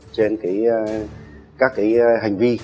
trên các hành vi